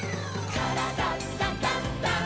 「からだダンダンダン」せの！